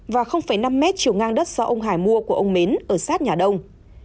và năm mét chiều ngang đất do ông hải mua của ông mến ở sát nhà đông